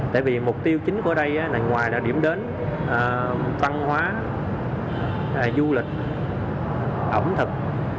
tại vì mục tiêu chính của đây là ngoài là điểm đến văn hóa du lịch ẩm thực